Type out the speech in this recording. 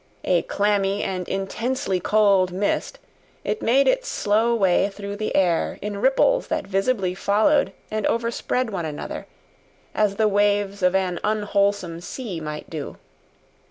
A clammy and intensely cold mist, it made its slow way through the air in ripples that visibly followed and overspread one another, as the waves of an unwholesome sea might do.